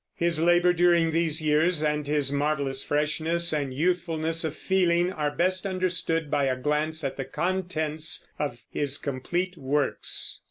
His labor during these years and his marvelous freshness and youthfulness of feeling are best understood by a glance at the contents of his complete works.